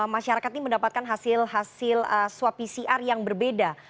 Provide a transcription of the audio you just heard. masyarakat ini mendapatkan hasil hasil swab pcr yang berbeda